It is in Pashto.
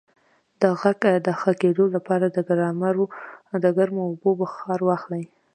د غږ د ښه کیدو لپاره د ګرمو اوبو بخار واخلئ